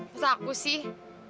masa aku sih